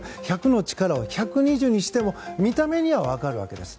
１００の力を１２０にしても見た目には分かるわけです。